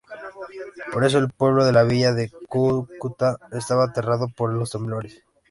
Por eso el pueblo de la Villa de Cúcuta estaba aterrado por los temblores.